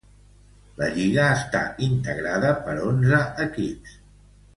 La lliga està integrada per onze equips.